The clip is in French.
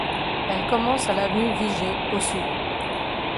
Elle commence à l'avenue Viger au sud.